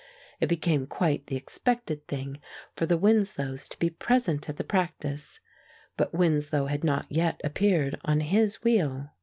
It became quite the expected thing for the Winslows to be present at the practice; but Winslow had not yet appeared on his wheel.